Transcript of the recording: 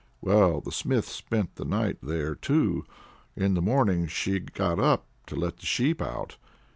Well, the Smith spent the night there, too. In the morning she got up to let the sheep out.